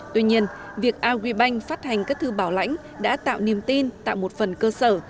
tuy nhiên việc alg banh phát hành các thư bảo lãnh đã tạo niềm tin tạo một phần cơ sở